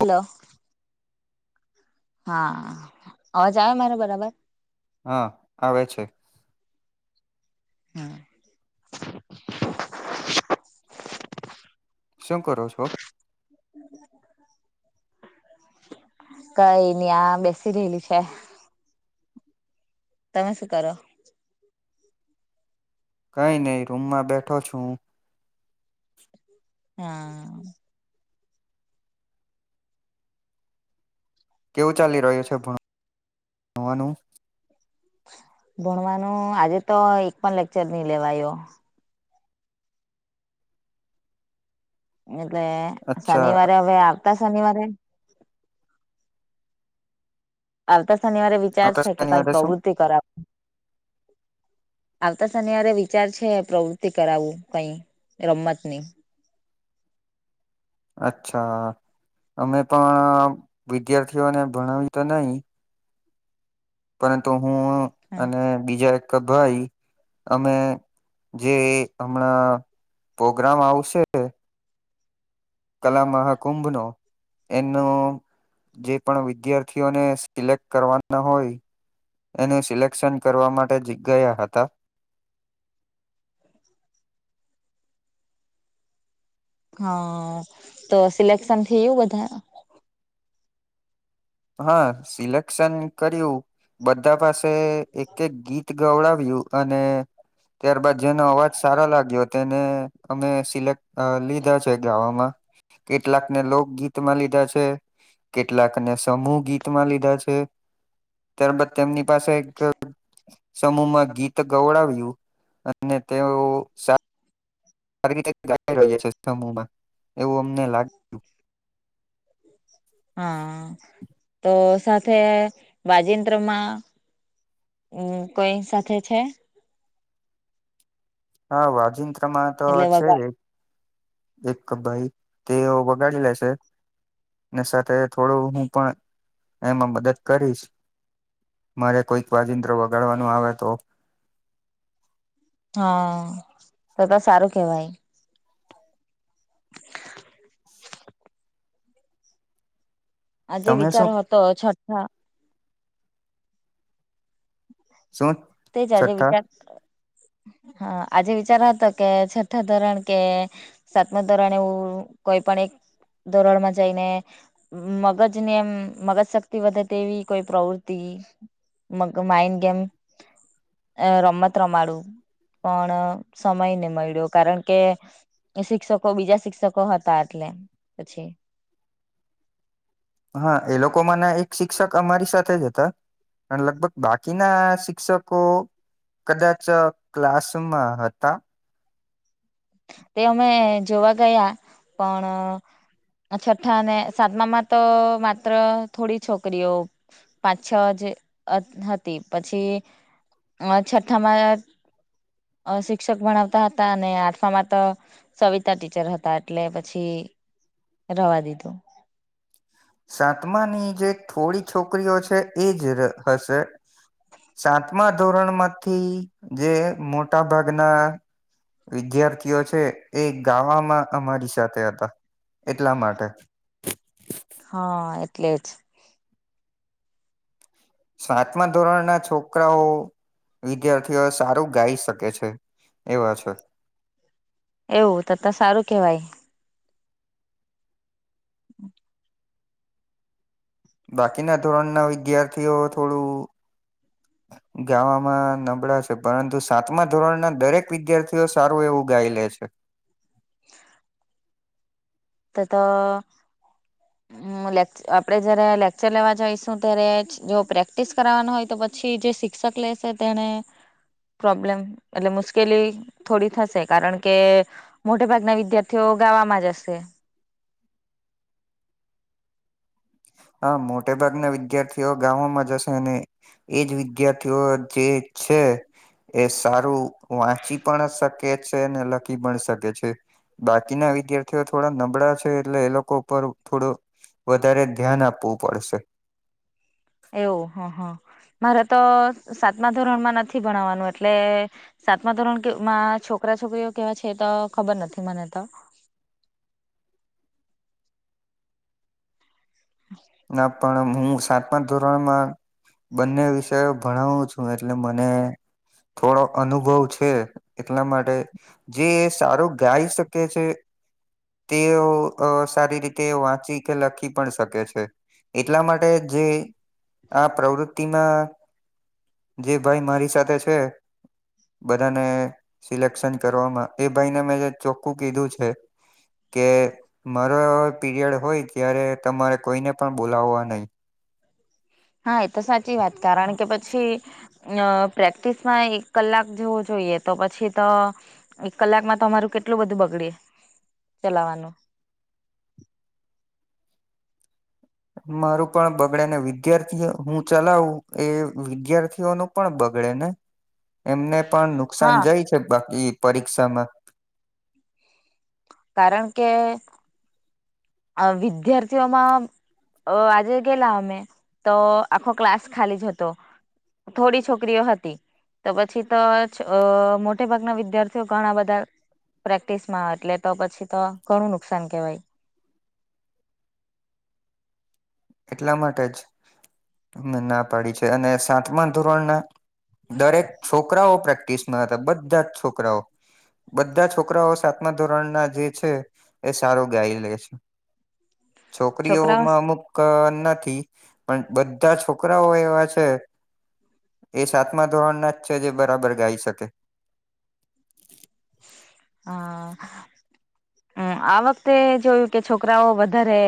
Hello હા અવાજ આયો મારો બરાબર હા આવે છે હમ શું કરો છો [inaudible] કાઈ ની આ બેસી રહેલી છે તમે શું કરો કઈ નઈ રૂમમાં બેઠો છું હા કેવું ચાલી રહ્યું છે ભણ ણવાનું ભણવાનો આજે તો એક પણ લેકચર નહી લેવાયો એટલે અચ્છા શનિવારે હવે આવતા શનિવારે આવતા શનિવારે વિચાર છે કે આકાશની કઈ વાત શું પ્રવૃતિ કરાવ આવતા શનિવારે વિચાર છે પ્રવૃતિ કરાવું કઈ રમત ની અચ્છા અમે પણ વિદ્યાર્થીઓને ભણાવવી તો નહી પરંતુ હું અને બીજા એક ભાઈ અમે જે હમણાં પોગ્રામ આવશે કલા મહાકુંભનો એનો જે પણ વિદ્યાર્થીઓને સિલેક કરવાના હોય એનું સિલેક્શન કરવા માટે જીગ ગયા હતા હ તો સિલેક્શન થયું બધાનું હ સિલેક્શન કર્યું બધા પાસે એક એક ગીત ત ગવડાવ્યું અને ત્યારબાદ જેનો અવાજ સારો લાગ્યો તે ને અમે સિલેક લીધા છે ગાવામાં કેટલાક ને લોકગીત માં લીધા છે કેટલાક ને સમૂહ ગીત માં લીધા છે ત્યારબાદ તેમની પાસે એક સમૂહમાં ગીત ગવડાવ્યું અને તેઓ સા [inaudible] સમૂહમાં એવું અમને લાગ હા તો સાથે વાજેન્દ્રમાં હું કોઈ સાથે છે હા વાજિંત્રમાં તો એટલે છે વગર એક ભઈ તેઓ બગાડી લેશે ને સાથે થોડું હું પણ એમાં મદદ કરીશ મારે કોઈક વાજિંત્ર વગાડવાનું આવે તો હા તો તો સારું કેવાય આજે તમે વિચાર શું અ હતો છઠા [inaudible] તે જ આજે વિચાર છઠ્ઠા હા આજે વિચાર હતો કે છઠ્ઠા ધોરણ કે સાતમાં ધોરણે હું કોઈ પણ એક ધોરણમાં જઈને મગજ ને એમ મગજ શક્તિ વધે તેવી કોઈ પ્રવૃતિ મગ માઇન્ડ ગેમ અ રમત રમાડું પણ સમય ને મળ્યો કારણ કે એ શિક્ષકો બીજા શિક્ષકો હતા એટલે પછી હા એ લોકો માના એક શિક્ષક અમારી સાથે જ હતા પણ લગભગ બાકીના શિક્ષકો કદાચ ક્લાસરૂમમાં હતા તે અમે જોવા ગયા પણ છઠ્ઠા ને સાતમામાં તો માત્ર થોડી છોકરીઓ પાંચ છ જે હતી પછી છઠ્ઠામાં શિક્ષક ભણાવતા હતા અને આઠમાં માં તો સવિતા ટીચર હતા એટલે પછી રવા દીધું. સાતમાની જે થોડી છોકરીઓ છે એ જ હશે. સાતમા ધોરણમાંથી જે મોટા ભાગના વિદ્યાર્થીઓ છે એ ગાવામાં અમારી સાથે હતા એટલા માટે હા એટલે જ સાતમા ધોરણના છોકરાઓ વિદ્યાર્થીઓ સારું ગાઈ શકે છે એવા છે. એવું તો તો સારું કેવાય. હમ. બાકીના ધોરણના વિદ્યાર્થીઓ થોડું ગાવામાં નબળા છે પરંતુ સાતમા ધોરણના દરેક વિદ્યાર્થીઓ સારું એવું ગાઈ લે છે. [inaudible] તો તો લે આપણે જયારે લેક્ચર લેવા જઈશું ત્યારે જો પ્રેક્ટિસ કરાવવાનો હોય તો પછી જે શિક્ષક લેશે તેને પ્રોબ્લેમ એટલે મુશ્કેલી થોડી થશે કારણ કે મોટેા ભાગના વિદ્યાર્થીઓ ગાવામાં જ હશે. હા મોટે ભાગના વિદ્યાર્થીઓ ગામોમાં જશે અને એજ વિદ્યાર્થીઓ જે છે એ સારું વાંચી પણ શકે છે ને લખી પણ શકે છે. બાકીના વિદ્યાર્થીઓ થોડા નબળા છે એટલે એ લોકો ઉપર થોડું વધારે ધ્યાન આપવું પડશે. એવું હ હ મારે તો સાતમા ધોરણમાં નથી ભણવવાનું એટલે સાતમા ધોરણ કેમાં છોકરા છોકરીઓ કેવા છે તો ખબર નથી મને તો ના પણ હું સા મા ધોરણમાં બંને વિષયો ભણાવું છું એટલે મને થોડો અનુભવ છે એટલા માટે જે સારું ગાઈ શકે તે તે સારી રીતે વાંચી કે લખી પણ શકે છે. એટલા માટે જે આ પ્રવૃત્તિમાં જે ભાઈ મારી સાથે છે બધાને સિલેક્શન કરવામાં એ ભાઈને મેં જે ચોખ્ખું કીધું છે કે મારો એ પીરિયડ હોય ત્યારે તમારે કોઈને પણ બોલાવવા નહી. હા એ તો સાચી વાત કારણ કે પ પછી પ્રેક્ટિસમાં એક કલાક જેવું જોઈએ તો પછી તો એક કલાકમાં તમારું કેટલું બધું બગડ જવાનું. મારું પણ બગડે ને વિદ્યાર્થીઓ હું ચલાવું એ વિદ્યાર્થીઓ ન પણ બગડે ને. હ એમને પણ નુકસાન જાય છે બાકી પરીક્ષામાં. કારણ કે વિદ્યાર્થીઓમાં અ આજે ગેલા અમે તો આખો ક્લાસ ખાલી જ હતો. થોડી છોકરીઓ હતી. તો પછી તો મોટે ભાગના વિદ્યાર્થીઓ ઘણા બધા. પ્રેક્ટિસ માં એટલે તો પછી તો ઘણું નુકસાન કેવાય. એટલા માટે જ અ ના પાડી છે અને સાતમા ધોરણના દરેક છોકરાઓ પ્રેક્ટિસમાં હતા બધા જ છોકરાઓ. બધા છોકરાઓ સાતમા ધોરણ ના જે છે એ સારું ગાય લે છે. છોકરાઓ છોકરીઓમાં અમુક ક નથી પણ બધા છોકરાઓ એવા છે એ સાતમા ધોરણ ના જ છે જે બરાબર ગાઈ શકે. હા. હમ્મ આ વખતે જોયું કે છોકરાઓ વધારે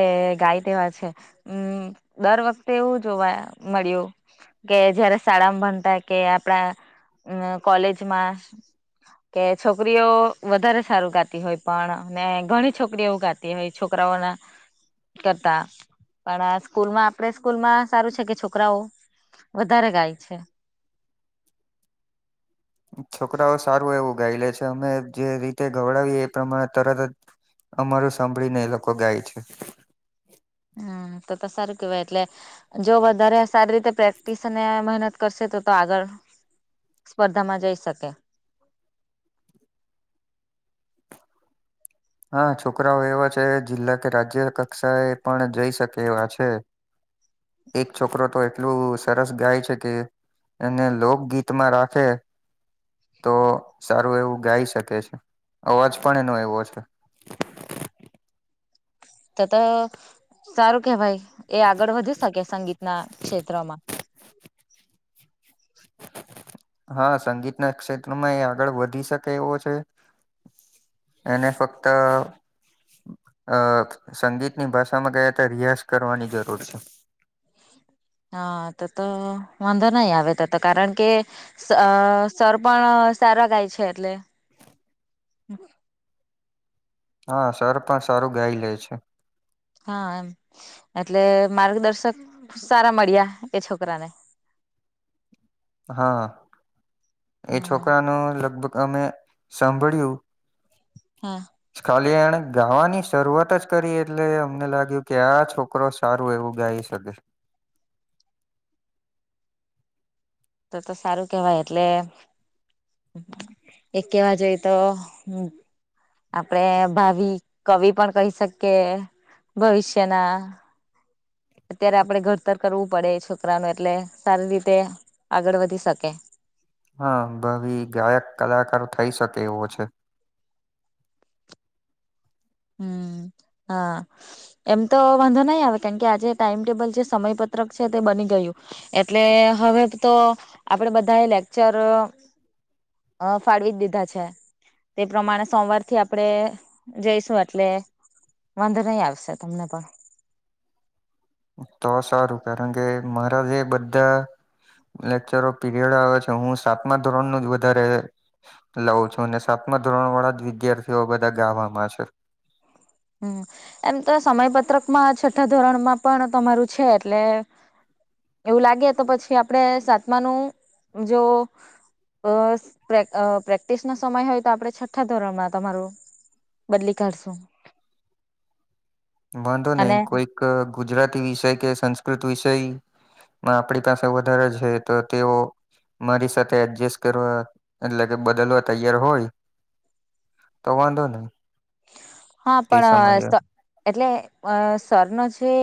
ગાય તેવા છે. હમ્મ દર વખતે એવું જોવા મળ્યું કે જયારે શાળામાં ભણતા કે આપણા કોલેજમાં કે છોકરીઓ વધારે સારું ગાતી હોય પણ ને ઘણી છોકરી એવું ગાતી હોય છોકરાઓના કરતા પણ સ્કૂલમાં આપણે સ્કૂલમાં સારું છે કે છોકરાઓ વધારે ગાય છે. છોકરાઓ સારું એવું ગાઈ લે છે અમે જે રીતે ગવડાવીએ એ પ્રમાણે તરત જ અમારું સાંભળીને એ લોકો ગાય છે. હમ્મ તો તો સારું કેવાય એટલે જો વધારે સારી રીતે પ્રેક્ટિસ અને મહેનત કરશે તો તો આગળ સ્પર્ધામાં જઈ શકે. હા છોકરાઓ એવા છે જિલ્લા કે રાજ્ય કક્ષાએ પણ જઈ શકે એવા છે. એક છોકરો તો એટલું સરસ ગાય છે કે અને લોકગીત માં રાખે તો સારું એવું ગાઈ શકે છે અવાજ પણ એનો એવો છે. તો તો સારું કે ભાઈ એ આગળ વધી શકે સંગીત ના ક્ષેત્રમાં. હા સંગીત ના ક્ષેત્રમાં એ આગળ વધી શકે એવો છે. એને ફક્ત અ અ સંગીતની ભાષામાં ગયા હતા રિયાઝ કરવાની જરૂર છે. હા તો તો વાંધો નહી આવે તો તો કારણ કે સર પણ સારા ગાય છે એટલે હ [inaudible] [inaudible] હા સર પણ સારું ગાઈ લે છે. હા એમ એટલે માર્ગદર્શક સારા મળ્યા એ છોકરા ને. હા એ હમ છોકરા નો લગભગ અમે સાંભળ્યું હમ્મ. ખાલી એણે ગાવાની શરૂઆત જ કરી એટલે અમને લાગ્યું કે આ છોક છોકરો સારું એવું ગાઈ શકે. તો તો સારું કેવાય એટલે એક કેવા જોઈ તો હ. આપડે ભાવિ કવિ પણ કહી શકીએ ભવિષ્યના અત્યારે આપણે ઘડતર કરવું પડે છોકરાનું એટલે સારી રીતે આગળ વધી શકે. હા ભી ગાયક કલાકારો થઈ શકે એવો છે. હમ્મ હા. એમ તો વાંધો નહી આવે કેમ કે આજે ટાઈમ ટેબલ છે સમયપત્રક છે તે બની ગયું. એટલે હવે તો આપડે બધા એ લેક્ચર અ અ ફાળવી જ દીધા છે તે પ્રમાણે સોમવારથી આપડે જયેશવર એટલે વાંધો નહી આવી શકે તમને પણ. તો સારું કારણ કે મારા જે બધા લેક્ચરો પીરિયડ આવે છે હું સાતમા ધોરણ નું જ વધારે લઉં છું અને સાતમા ધોરણ વાળા જ વિદ્યાર્થીઓ બધા ગાવામાં છે. હમ એમ તો સમય પત્રકમાં છઠ્ઠા ધોરણમાં પણ તમારું છે એટલે એવું લાગે તો પછી આપડે સાતમાનું જો અ પ્રેક્ટિસ નો સમય હોય તો આપડણે છઠ્ઠા ધોરણમાં તમારું બદલી કાઢસું. વાંધો નહી અને કોઈક ગુજરાતી વિષય કે સંસ્કૃત વિષય આપણી પાસે વધારે છે તો તેઓ મારી સાથે એડજસ્ટ કરવા એટલે કે બદલવા તૈયાર હોય તો વાંધો નહી. હા તે સમયે પણ એટલે અ સરનો જે.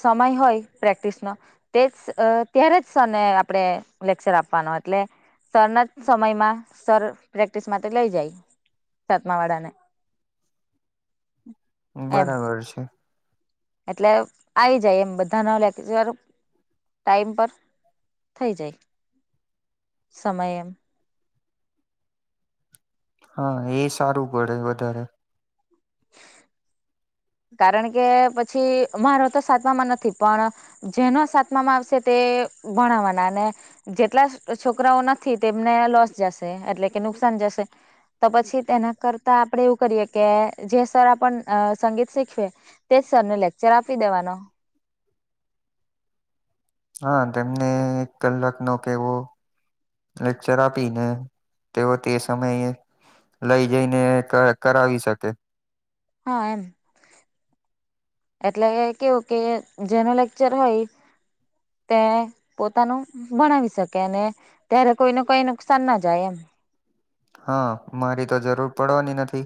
સમય હોય પ્રેક્ટિસનો તે જ ત્યારે જ સો ને આપણે લેક્ચર આપવાનો એટલે સરના જ સમયમાં સર પ્રેક્ટિસ માટે લઈ જાય સાતમા વાળા ને. હમ. [inaudible] બરાબર છે. એટલે આવી જાય એમ બધા ના લેક ટાઈમ પર થઈ જાય સમય એમ. હા એ સારું પડે વધારે. કારણ કે પછી મારો તો સાતવામાં નથી પણ જેનો સાતમામાં આવશે તે ભણાવવાના અને જેટલા છોકરાઓ નથી તેમને લોસ જશે એટલે કે નુકસાન જશે. તો પછી તેના કરતા આપડે એવું કરીએ કે જે સર આપ સંગીત શીખવે તેજ સરને લેક્ચર આપી દેવાનો. હા તેમને એક કલાક નો કેવો લેક્ચર આપીને તેઓ તે સમયે લઈ જઈને કરાવી શકે. હા એમ. એટલે કેવું કે જેનો લેક્ચર હોય તે પોતાનું ભણાવી શકે અને ત્યારે કોઈને કોઈ નુકસાન ના જાય એમ. હા મારી તો જરૂર પડવાની નથી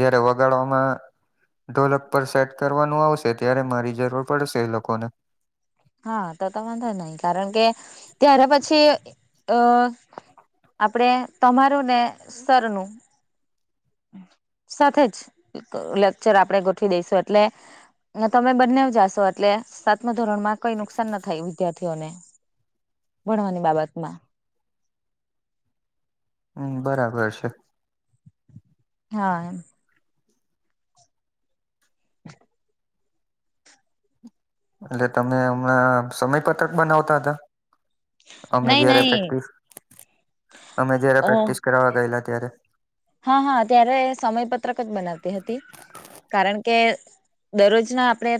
જયારે વગાડવામાં ઢોલક પર સેટ કરવાનું આવશે ત્યારે મારી જરૂર પડશે એ લોકોને. હા તો તો વાંધો નહી કારણ કે ત્યારે પછી અ આપડે તમારું ને સરનું સાથે જ લેક્ચર આપણેે ગોઠવી દઈશું એટલે તમે બંને જાશો એટલે સાતમા ધોરણ માં કઈ નુકસાન ના થાય વિદ્યાર્થીઓને ભણવાની બાબતમાં. હમ બરાબર છે. હા. એટલે તમે હમણાં સમય પત્રક બનાવતા હતા.? અમે નહી જયારે નહી પ્રેક્ટિસ અમે જારે અ પ્રેક્ટિસ કરવાવા ગયેલા ત્યારે.? હા હા ત્યારે સમય પત્રક જ બનાવતી હતી. કારણ કે દરરોજ ના આપણેે